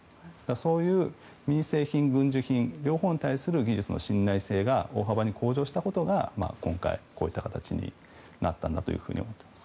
そういう民生品、軍事品両方に対する技術の信頼性が大幅に向上したことが今回、こういった形になったんだと思います。